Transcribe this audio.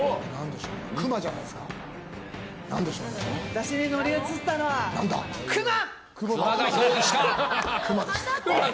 私に乗り移ったのは、クマ！